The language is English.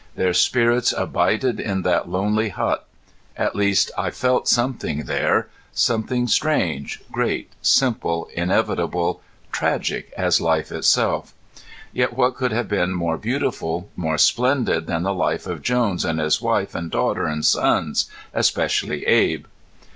Their spirits abided in that lonely hut. At least I felt something there something strange, great, simple, inevitable, tragic as life itself. Yet what could have been more beautiful, more splendid than the life of Jones, and his wife, and daughter, and sons, especially Abe?